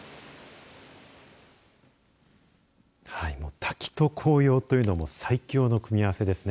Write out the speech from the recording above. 滝と紅葉というのは最強の組み合わせですね。